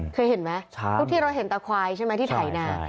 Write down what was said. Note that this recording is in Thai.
เคยเห็นไหมทุกที่เราเห็นตาควายใช่ไหมที่ไถนา